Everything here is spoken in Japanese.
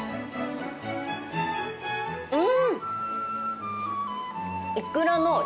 うん。